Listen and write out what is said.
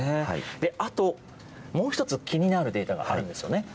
あともう一つ、気になるデータがあるんですよね。